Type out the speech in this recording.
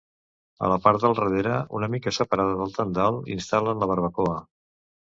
A la part del darrere, una mica separada del tendal, instal·len la barbacoa.